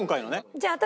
じゃあ私